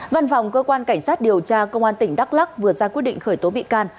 văn phòng cơ quan cảnh sát điều tra công an tỉnh đắk lắc vừa ra quyết định khởi tố bị can